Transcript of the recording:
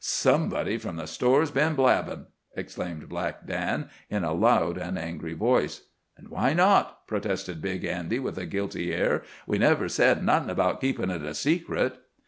"Somebody from the store's been blabbin'," exclaimed Black Dan, in a loud and angry voice. "An' why not?" protested Big Andy, with a guilty air. "We never said nawthin' about keepin' it a secret."